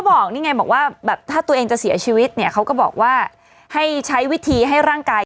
บอกนี่ไงบอกว่าแบบถ้าตัวเองจะเสียชีวิตเนี่ยเขาก็บอกว่าให้ใช้วิธีให้ร่างกาย